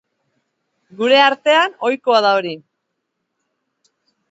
Gure artean, ohikoa da hori.